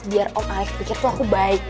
biar om alif pikir tuh aku baik